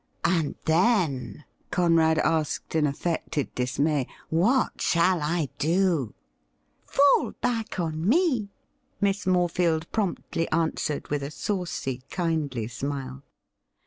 ' And then,' Conrad asked in affected dismay, ' what shall I do ?'' Fall back on me,' Miss Morefield promptly answered, with a saucy, kindly smile.